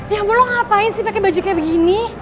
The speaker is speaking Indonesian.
ya ampun lu ngapain sih pake baju kayak begini